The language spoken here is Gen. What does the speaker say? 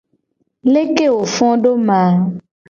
Leke wo fo do ma ?